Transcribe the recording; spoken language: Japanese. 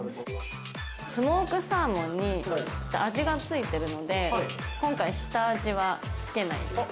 スモークサーモンに味がついているので、今回下味はつけないです。